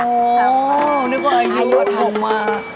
อ๋อนี่มัวอายุ๖ค่ะ